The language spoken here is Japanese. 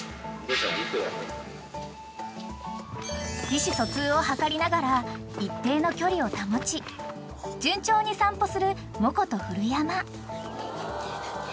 ［意思疎通を図りながら一定の距離を保ち順調に散歩するモコと古山］